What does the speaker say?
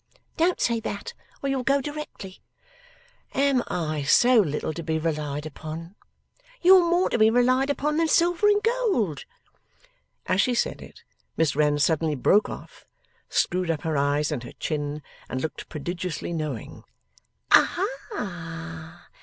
'Don't say that, or you'll go directly.' 'Am I so little to be relied upon?' 'You're more to be relied upon than silver and gold.' As she said it, Miss Wren suddenly broke off, screwed up her eyes and her chin, and looked prodigiously knowing. 'Aha!